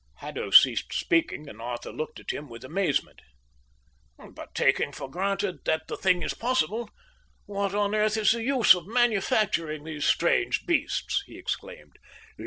Haddo ceased speaking, and Arthur looked at him with amazement. "But taking for granted that the thing is possible, what on earth is the use of manufacturing these strange beasts?" he exclaimed.